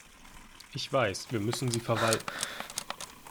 Ich weiß, wir müssen sie verwalten.